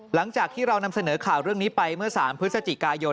หลังจากที่เรานำเสนอข่าวเรื่องนี้ไปเมื่อ๓พฤศจิกายน